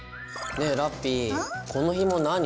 ねえラッピィこのひも何？